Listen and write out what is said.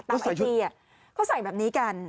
ตามไอจีอ่ะเขาใส่แบบนี้กัน